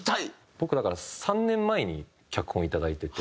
僕だから３年前に脚本をいただいてて。